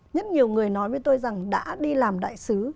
rất nhiều người nói với tôi rằng đã đi làm đại sứ